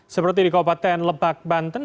seperti di kabupaten lebak banten